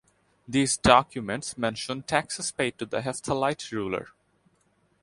These documents mention taxes paid to the Hephthalite ruler.